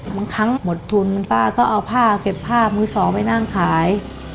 บางครั้งหมดทุนป้าก็เอาผ้าเก็บผ้ามือสองไปนั่งขาย